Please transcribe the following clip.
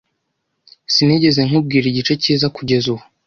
Sinigeze nkubwira igice cyiza kugeza ubu.